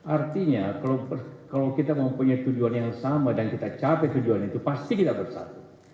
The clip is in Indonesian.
artinya kalau kita mempunyai tujuan yang sama dan kita capai tujuan itu pasti kita bersatu